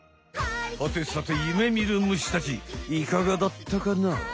はてさてゆめみるむしたちいかがだったかな？